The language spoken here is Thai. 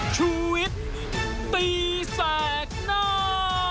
ชุวิตตีแสดหน้า